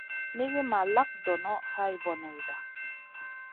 Nigi ma lak donoʼ hay boneyda.